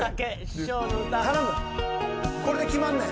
これで決まんねん。